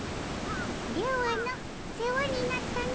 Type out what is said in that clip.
ではの世話になったの。